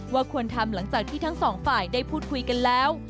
ควรทำหลังจากที่ทั้งสองฝ่ายได้พูดคุยกันแล้ว